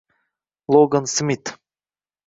Logan Smit